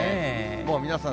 もう皆さん